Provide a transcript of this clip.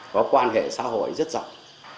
có quan hệ xã hội rất rộng